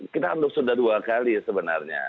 kita anggap sudah dua kali sebenarnya